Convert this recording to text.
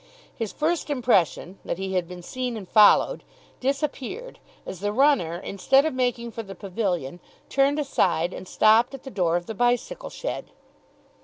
His first impression, that he had been seen and followed, disappeared as the runner, instead of making for the pavilion, turned aside, and stopped at the door of the bicycle shed.